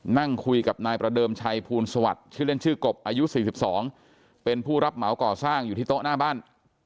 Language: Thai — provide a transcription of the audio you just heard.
นั่งคุยกับนายประเดิมชัยภูลสวัสดิ์ชื่อเล่นชื่อกบอายุ๔๒เป็นผู้รับเหมาก่อสร้างอยู่ที่โต๊ะหน้าบ้าน